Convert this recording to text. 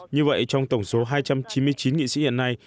như vậy trong tổng số hai trăm chín mươi chín nghị sĩ hiện nay